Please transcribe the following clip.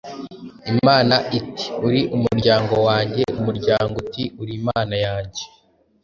Imana iti:”Uri umuryango wanjye”, umuryango uti:” Uri Imana yanjye”